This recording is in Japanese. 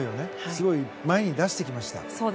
すごい前に出してきました。